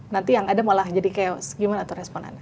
nanti yang ada malah jadi chaos gimana tuh responannya